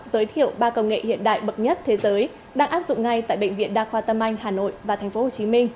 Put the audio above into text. giới thiệu ba công nghệ hiện đại bậc nhất thế giới đang áp dụng ngay tại bệnh viện đa khoa tâm anh hà nội và tp hcm